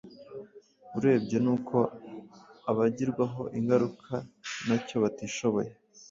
urebye ni uko abagirwaho ingaruka na cyo batishoboye